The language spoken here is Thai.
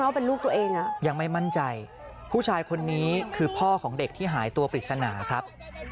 เปิดไล่ดูทีละบ่อทีละบ่อ